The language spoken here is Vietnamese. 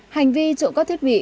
hành vi trộm cắp thiết bị